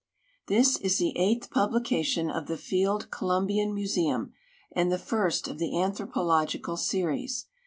This is the eighth publication of the Field Columbian IMuseum and the first of the Anthropological series.